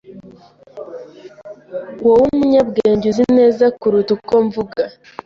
Wowe umunyabwenge uzi neza kuruta uko mvuga